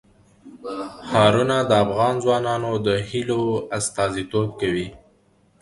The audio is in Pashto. ښارونه د افغان ځوانانو د هیلو استازیتوب کوي.